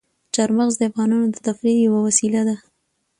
چار مغز د افغانانو د تفریح یوه وسیله ده.